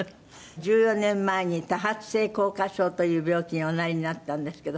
１４年前に多発性硬化症という病気におなりになったんですけど。